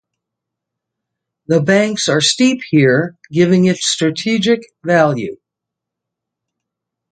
The banks are steep here giving it strategic value.